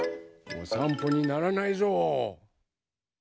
おさんぽにならないぞう！